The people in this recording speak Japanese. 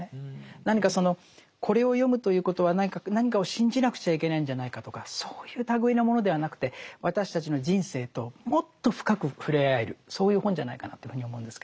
何かそのこれを読むということは何かを信じなくちゃいけないんじゃないかとかそういう類いのものではなくて私たちの人生ともっと深く触れ合えるそういう本じゃないかなというふうに思うんですけど。